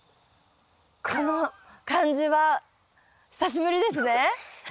この感じは久しぶりですね。